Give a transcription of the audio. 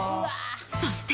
そして。